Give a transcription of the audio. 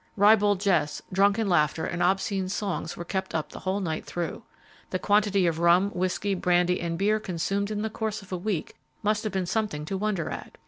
Ribald jests, drunken laughter and obscene songs were kept up the whole night through. The quantity of rum, whisky, brandy and beer consumed in the course of a week must have been something to wonder at.